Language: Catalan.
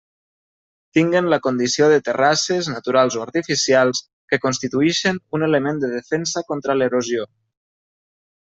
Tinguen la condició de terrasses, naturals o artificials, que constituïxen un element de defensa contra l'erosió.